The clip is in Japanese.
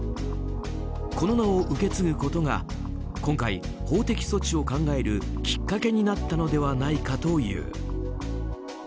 この名を受け継ぐことが今回、法的措置を考えるきっかけになったのではないかという。